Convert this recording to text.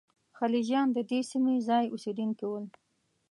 خلجیان د دې سیمې ځايي اوسېدونکي ول.